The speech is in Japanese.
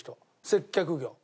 接客業。